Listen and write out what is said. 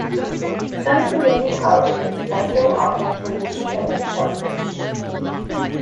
Some community colleges also offer police training courses.